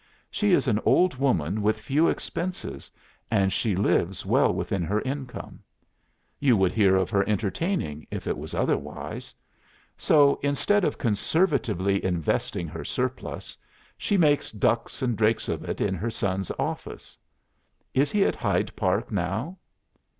She is an old woman with few expenses, and she lives well within her income. You would hear of her entertaining if it was otherwise. So instead of conservatively investing her surplus, she makes ducks and drakes of it in her son's office. Is he at Hyde Park now?